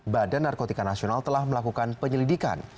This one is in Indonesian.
badan narkotika nasional telah melakukan penyelidikan